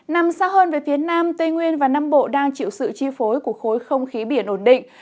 nằm xa hơn về phía nam tây nguyên và nam bộ đang chịu sự chi phối của khối không khí biển ổn định